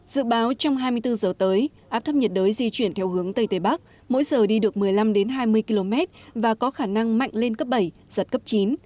dự báo trong hai mươi bốn giờ tới áp thấp nhiệt đới di chuyển theo hướng tây tây bắc mỗi giờ đi được một mươi năm hai mươi km và có khả năng mạnh lên cấp bảy giật cấp chín